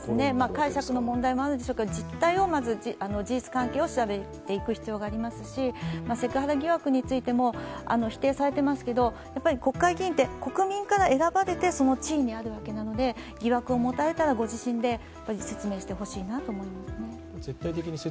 解釈の問題もあるでしょうけど、事実関係を調べていく必要があるでしようし、セクハラ疑惑についても言われていますけれども、国会議員は国民から選ばれてその地位にあるわけなので疑惑を持たれたらご自身で説明してほしいなと思います。